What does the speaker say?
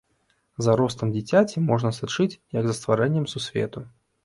За ростам дзіцяці можна сачыць як за стварэннем сусвету.